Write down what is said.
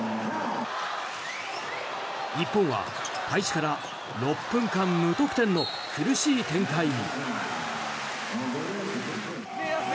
日本は開始から６分間無得点の苦しい展開に。